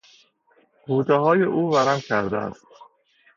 رودههای او ورم کرده است.